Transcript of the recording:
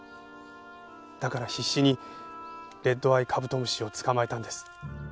だから必死にレッドアイカブトムシを捕まえたんです。